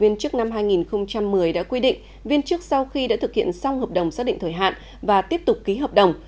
năm hai nghìn một mươi đã quy định viên chức sau khi đã thực hiện xong hợp đồng xác định thời hạn và tiếp tục ký hợp đồng